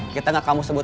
kita gak kamu sebut